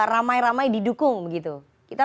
ramai ramai didukung begitu kita